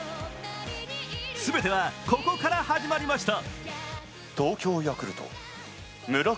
全てはここから始まりました。